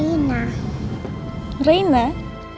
tapi kan ini bukan arah rumah